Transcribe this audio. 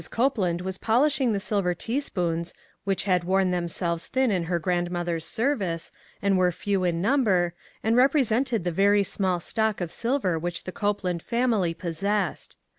Copeland was polishing the silver teaspoons, which had worn themselves thin in her grand mother's service, and were few in .number, and represented the very small stock of silver which the Copeland family possessed.